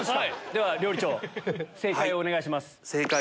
では料理長正解をお願いします。